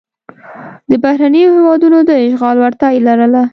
د بهرنیو هېوادونو د اشغال وړتیا یې لرله.